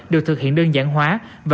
đều thực hiện đơn giản hóa